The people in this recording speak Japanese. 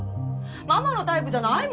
ママのタイプじゃないもん。